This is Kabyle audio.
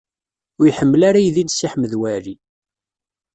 Ur iḥemmel aydi n Si Ḥmed Waɛli.